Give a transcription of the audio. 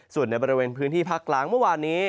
ส่วนในบริเวณพื้นที่ภาคกลางเมื่อวานนี้